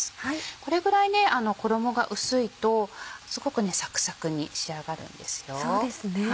これぐらい衣が薄いとすごくサクサクに仕上がるんですよ。